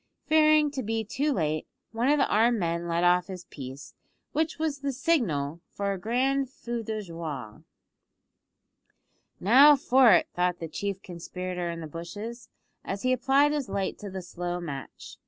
Fearing to be too late, one of the armed men let off his piece, which was the signal for a grand feu de joie. "Now for it," thought the chief conspirator in the bushes, as he applied his light to the slow match.